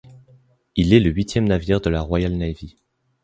Il est le huitième navire de la Royal Navy.